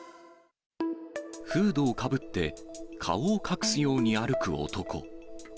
フードをかぶって顔を隠すように歩く男。